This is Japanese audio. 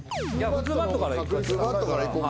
普通バットからいこうか。